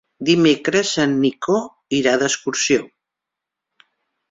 Dimecres en Nico irà d'excursió.